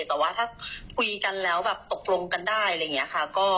แต่ว่าถ้าคุยกันแล้วแบบตกลงกันได้อะไรอย่างนี้ค่ะ